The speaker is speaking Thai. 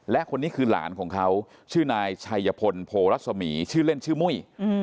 และคนนี้คือหลานของเขาชื่อนายชัยพลโพรัศมีชื่อเล่นชื่อมุ้ย